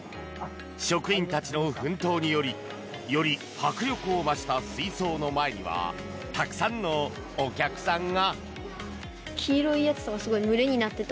職員たちの奮闘によりより迫力を増した水槽の前にはたくさんのお客さんが。